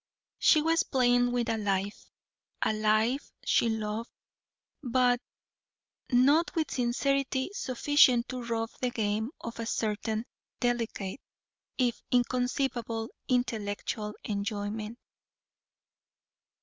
She was playing with a life, a life she loved, but not with sincerity sufficient to rob the game of a certain delicate, if inconceivable, intellectual enjoyment.